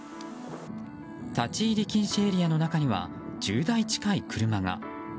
立ち入り禁止エリアの中には１０台近い車が。